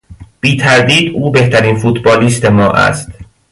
بیتردید او بهترین فوتبالیست ما است.